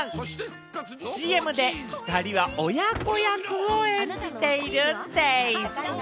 ＣＭで２人は親子役を演じているんでぃす。